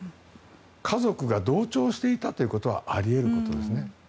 家族が同調していたということはあり得ることですね。